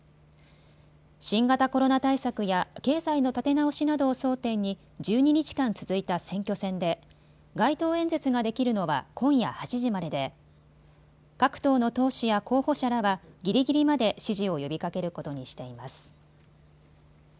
新型コロナ対策や経済の立て直しなどを争点に１２日間続いた選挙戦で街頭演説ができるのは今夜８時までで各党の党首や候補者らはぎりぎりまで支持を呼びかけることにしています。